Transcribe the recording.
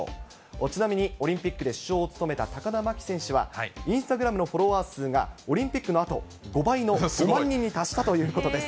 ちなみにオリンピックで主将を務めた高田真希選手は、インスタグラムのフォロワー数が、オリンピックのあと、５倍の５万人に達したということです。